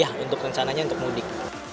ya untuk rencananya untuk mudik